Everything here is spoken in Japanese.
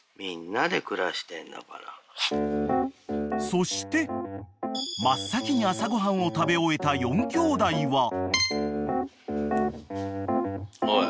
［そして真っ先に朝ご飯を食べ終えた４兄弟は］おい！